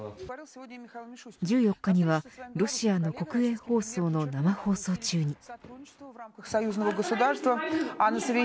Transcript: １４日にはロシアの国営放送の生放送中に。